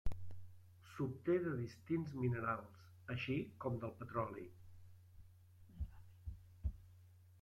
S'obté de distints minerals, així com del petroli.